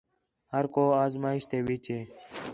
ہر کُو آزمائش تے وِچ ہِے